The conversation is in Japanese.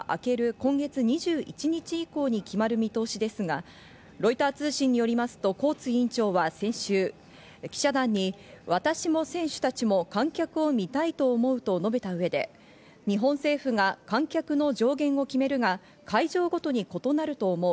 今月２１日以降に決まる見通しですが、ロイター通信によりますとコーツ委員長は先週、記者団に私も選手たちも観客を見たいと思うと述べた上で日本政府が観客の上限を決めるが、会場ごとに異なると思う。